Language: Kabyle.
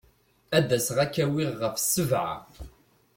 Ad d-aseɣ ad k-awiɣ ɣef sebɛa.